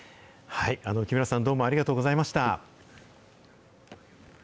浮村さん、どうもありがとうございました。